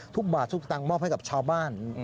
ทุกบาททุกตังค์มอบให้กับชาวบ้าน